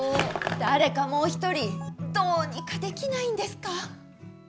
誰かもう１人どうにかできないんですか。